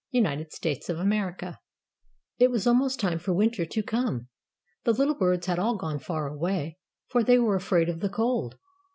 EDITH M. THOMAS. THE KIND OLD OAK It was almost time for winter to come. The little birds had all gone far away, for they were afraid of the cold.